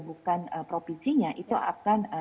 bukan provinsinya itu akan